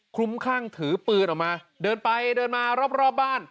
ลุ้มคลั่งถือปืนออกมาเดินไปเดินมารอบบ้าน